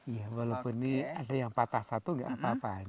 iya walaupun ini ada yang patah satu gak apa apa